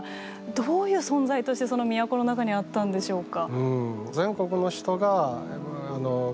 どういう存在としてその都の中にあったんでしょうか。